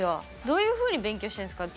どういうふうに勉強してるんですか？